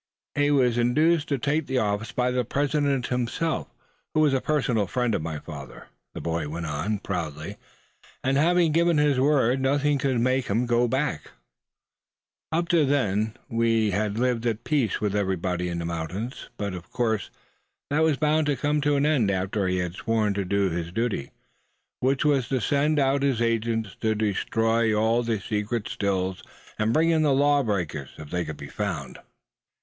"He was induced to take the office by the President himself, who was a personal friend of my father," the boy went on, proudly; "and having given his word, nothing could make him back out. Up to then we had lived at peace with everybody in these mountains; but of course that was bound to come to an end after he had sworn to do his duty; which was to send out his agents to destroy all the secret Stills, and bring in the law breakers, if they could be found."